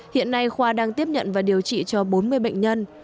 hiện nay khoa đang tiếp nhận và điều trị cho bốn mươi bệnh nhân